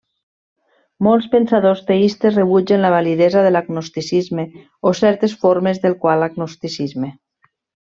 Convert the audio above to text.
Molts pensadors teistes rebutgen la validesa de l'agnosticisme, o certes formes del qual agnosticisme.